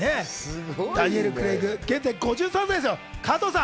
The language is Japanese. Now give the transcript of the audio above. ダニエル・クレイグ、現在５３歳ですよ、加藤さん。